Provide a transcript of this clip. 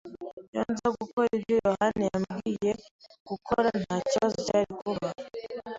Iyo nza gukora ibyo yohani yambwiye gukora, ntakibazo cyari kuba.